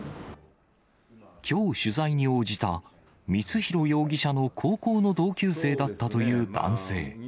きょう取材に応じた光弘容疑者の高校の同級生だったという男性。